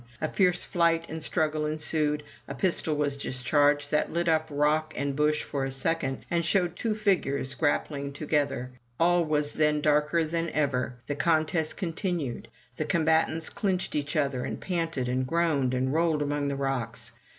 A fierce fight and struggle ensued — a pistol was discharged that lit up rock and bush for a second, and showed two figures grappling together — all was then darker than ever. The contest continued — the combatants clinched each other, and panted, and groaned, and rolled among the rocks.